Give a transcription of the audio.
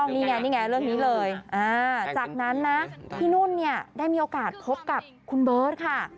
นี่ไงนี่ไงเรื่องนี้เลยจากนั้นนะพี่นุ่นเนี่ยได้มีโอกาสพบกับคุณเบิร์ตค่ะ